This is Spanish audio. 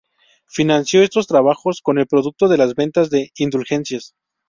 Financió estos trabajos con el producto de las ventas de indulgencias.